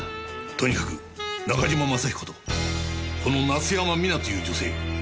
とにかく中島雅彦とこの夏山未奈という女性呼ぼう。